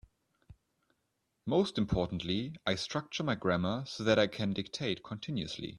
Most importantly, I structure my grammar so that I can dictate continuously.